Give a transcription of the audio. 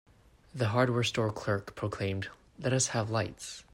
The hardware store clerk proclaimed, "Let us have lights!"